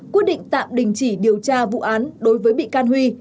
quyết định tạm đình chỉ điều tra vụ án đối với bị can huy